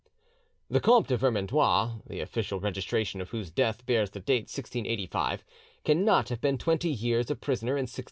The Comte de Vermandois, the official registration of whose death bears the date 1685, cannot have been twenty years a prisoner in 1691.